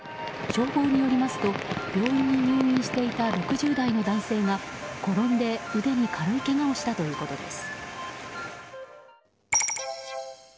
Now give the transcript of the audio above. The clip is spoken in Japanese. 消防によりますと病院に入院していた６０代の男性が転んで腕に軽いけがをしたということです。